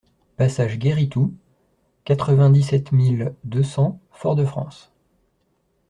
Passage Guéri Tout, quatre-vingt-dix-sept mille deux cents Fort-de-France